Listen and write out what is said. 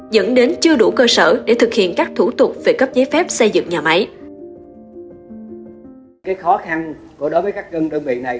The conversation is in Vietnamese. dẫn đến chưa đủ cơ sở để thực hiện các thủ tục về cấp giấy phép xây dựng nhà máy